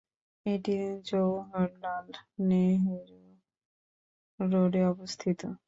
এটি জওহরলাল নেহেরু রোডে অবস্থিত।